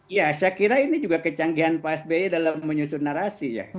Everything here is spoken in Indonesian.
ya saya kira ini juga kecanggihan pak sby dalam menyusun narasi ya